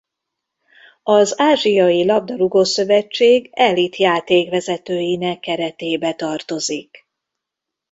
Az Ázsiai Labdarúgó-szövetség elit játékvezetőinek keretébe tartozik.